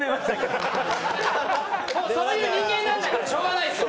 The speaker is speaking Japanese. もうそういう人間なんだからしょうがないですよ。